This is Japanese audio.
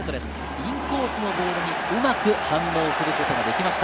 インコースのボールにうまく反応することができました。